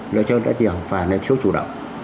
lợi cho các trường và lợi thiếu chủ động